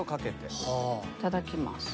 いただきます。